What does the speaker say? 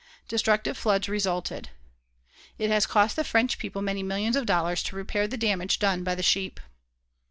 Destructive floods resulted. It has cost the French people many millions of dollars to repair the damage done by the sheep.